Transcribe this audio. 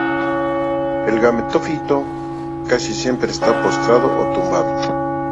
El gametófito, casi siempre, está postrado o tumbado.